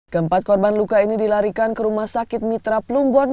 keempat korban luka ini dilarikan ke rumah sakit mitra plumbon